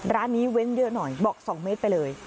ร้านนี้เว้นเยอะหน่อยบอก๒เมตรไปเลย